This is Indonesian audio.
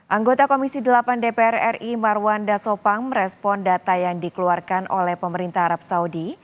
anggota komisi delapan dpr ri marwanda sopang merespon data yang dikeluarkan oleh pemerintah arab saudi